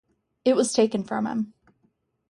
It was taken from him.